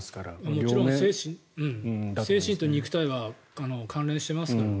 もちろん精神と肉体は関連していますからね。